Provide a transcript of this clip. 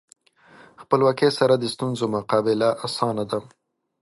خپلواکۍ سره د ستونزو مقابله اسانه ده.